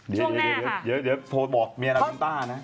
เดี๋ยวโทบ้อตเมียรัลมดต้านะ